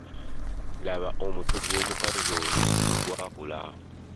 Laba omutwe gw’omukazi oli bwe gwakula!